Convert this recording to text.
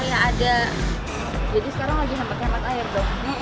jadi sekarang lagi sempat sempat air dong